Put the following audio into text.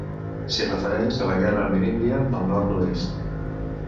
S'hi refereix la Guerra Ameríndia del Nord-oest.